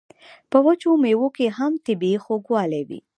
په وچو میوو کې هم طبیعي خوږوالی وي.